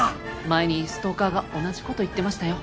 前にストーカーが同じ事言ってましたよ。